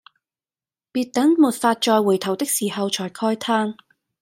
別等沒法再回頭的時候才慨嘆